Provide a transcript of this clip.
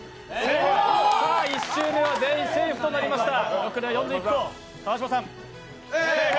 １周目は全員セーフとなりました。